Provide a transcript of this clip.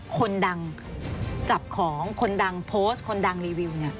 คนดังจับของคนดังโพสต์คนดังรีวิวอย่างนี้